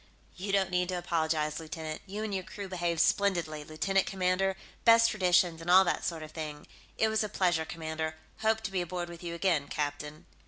"You don't need to apologize, lieutenant. You and your crew behaved splendidly, lieutenant commander, best traditions, and all that sort of thing. It was a pleasure, commander, hope to be aboard with you again, captain."